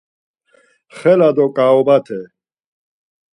Xela do ǩaobate.